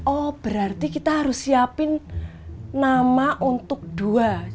oh berarti kita harus siapin nama untuk dua